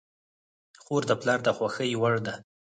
خور د پلار د خوښې وړ ده.